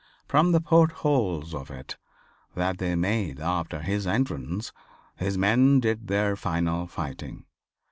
From the portholes of it that they made after his entrance, his men did their final fighting.